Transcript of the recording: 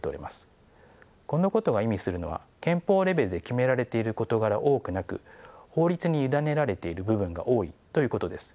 このことが意味するのは憲法レベルで決められている事柄が多くなく法律に委ねられている部分が多いということです。